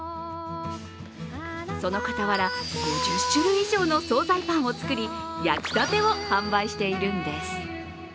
その傍ら、５０種類以上の総菜パンを作り焼きたてを販売しているんです。